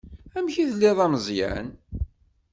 Amek i telliḍ a Meẓyan?